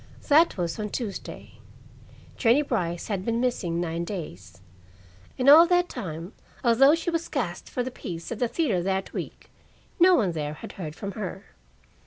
That was on Tuesday. Jennie Brice had been missing nine days. In all that time, although she was cast for the piece at the theater that week, no one there had heard from her.